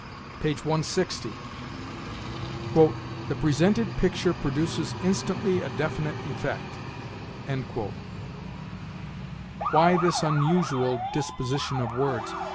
Page 160. "The presented picture produces instantly a definite effect." Why this unusual disposition of words?